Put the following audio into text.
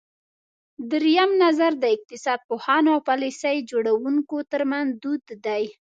درېیم نظر د اقتصاد پوهانو او پالیسۍ جوړوونکو ترمنځ دود دی.